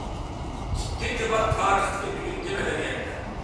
ئىككىنچى باب تارىختىكى ۋە بۈگۈنكى مەدەنىيەتلەر